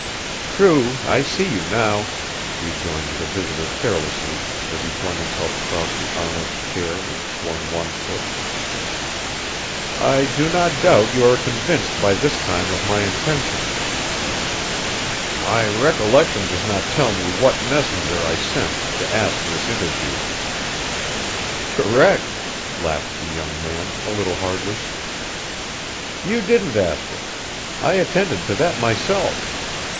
"True, I see you now," rejoined the visitor carelessly, as he flung himself across the arm of a chair and swung one foot. "I do not doubt you are convinced by this time of my intention." "My recollection does not tell me what messenger I sent to ask this interview." [Illustration: "WHAT YOU WANT DOESN'T CONCERN ME IN THE LEAST." Scene from the play.] "Correct," laughed the young man a little hardly. "You didn't ask it. I attended to that myself.